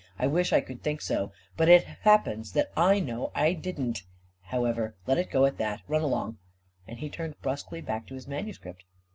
" I wish I could think so; but it happens that I know I didn't. However, let it go at that I Run along !" and he turned brusquely back to his manuscript.